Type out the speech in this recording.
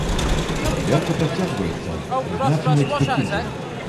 Праверка працягваецца, прызначаны экспертызы.